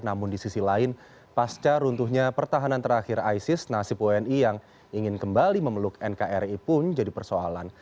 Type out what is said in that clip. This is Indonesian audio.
namun di sisi lain pasca runtuhnya pertahanan terakhir isis nasib wni yang ingin kembali memeluk nkri pun jadi persoalan